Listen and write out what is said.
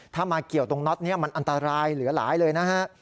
ถ้ามาเกี่ยวตรงน็อตนี้มันอันตรายเหลือหลายเลยนะฮะ